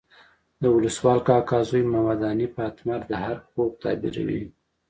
د ولسوال کاکا زوی محمد حنیف اتمر د ارګ خوب تعبیروي.